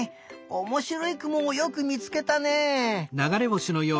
おもしろいくもをよくみつけたね。